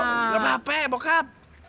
gak apa apa ya bokap